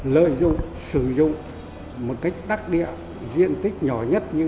lợi dụng sử dụng một cách đắc địa diện tích nhỏ nhất như